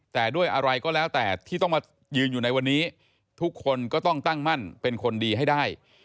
แต่ด้วยอะไรก็แล้วแต่ที่ต้องมายืนอยู่ในวันนี้ทุกคนก็ต้องตั้งมั่นเป็นคนดีให้ได้